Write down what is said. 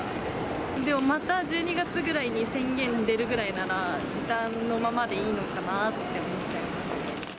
でもまた１２月ぐらいに宣言出るぐらいなら、時短のままでいいのかなって思っちゃいますね。